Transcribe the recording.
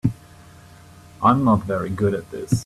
I'm not very good at this.